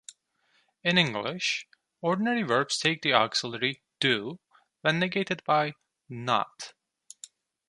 In English, ordinary verbs take the auxiliary "do" when negated by "not".